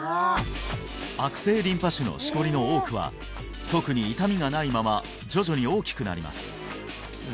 悪性リンパ腫のしこりの多くは特に痛みがないまま徐々に大きくなります